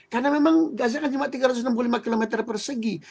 karena memang gaza kan cuma tiga ratus enam puluh lima km persegi